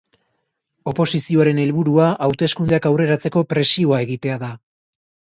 Oposizioaren helburua hauteskundeak aurreratzeko presioa egitea da.